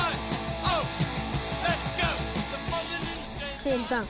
シエリさん